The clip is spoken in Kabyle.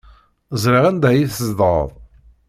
Ẓriɣ anda ay tzedɣeḍ.